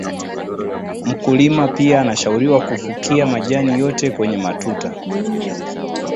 mkulima pia anashauriwa kufukia majani yote kwenye matuta